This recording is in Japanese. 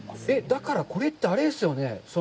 だからこれってあれですよね。